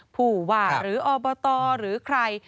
ผู้ว่าหรืออบตหรือใคร